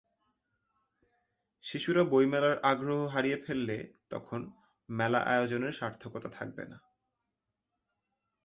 শিশুরা বইমেলার আগ্রহ হারিয়ে ফেললে তখন মেলা আয়োজনের সার্থকতা থাকবে না।